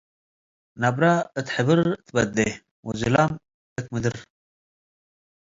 ነብረ እት ሕብር ትበዴ ወዝላም እት ምድር።